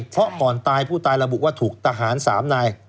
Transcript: เพราะก่อนตายผู้ตายระบุว่าถูกทหาร๓นาย